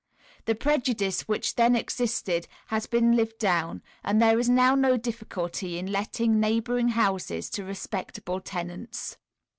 The prejudice which then existed has been lived down, and there is now no difficulty in letting neighbouring houses to respectable tenants.